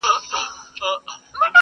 او پوښتني نه ختمېږي هېڅکله,